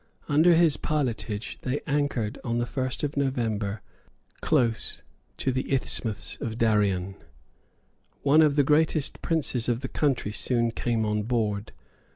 Under his pilotage they anchored on the first of November close to the Isthmus of Darien. One of the greatest princes of the country soon came on board.